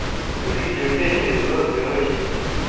Muri ibyo bitekerezo byoroshye